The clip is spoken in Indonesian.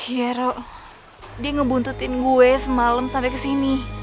ya rok dia membuntutkan saya semalam sampai ke sini